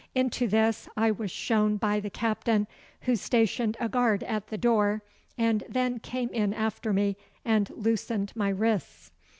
Into this I was shown by the Captain, who stationed a guard at the door, and then came in after me and loosened my wrists.